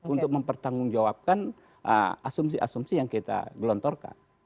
untuk mempertanggungjawabkan asumsi asumsi yang kita gelontorkan